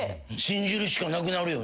信じるしかなくなるよな。